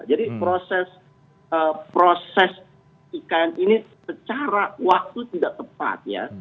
jadi proses ikan ini secara waktu tidak tepat ya